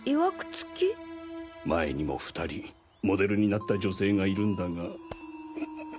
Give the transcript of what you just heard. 前にも２人モデルになった女性がいるんだが。